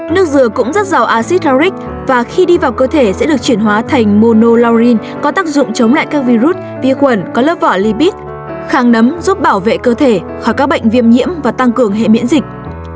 nước rửa cũng rất giàu acid harric và khi đi vào cơ thể sẽ được chuyển hóa thành monolorin có tác dụng chống lại các virus vi khuẩn có lớp vỏ libit kháng nấm giúp bảo vệ cơ thể khỏi các bệnh viêm nhiễm và tăng cường hệ miễn dịch